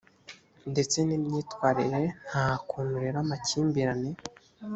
ndetse n imyitwarire nta kuntu rero amakimbirane